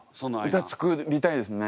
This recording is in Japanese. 歌作りたいですね。